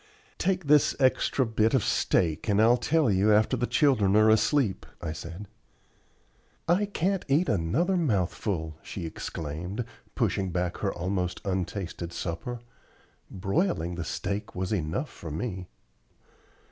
"Take this extra bit of steak and I'll tell you after the children are asleep," I said. "I can't eat another mouthful," she exclaimed, pushing back her almost untasted supper. "Broiling the steak was enough for me."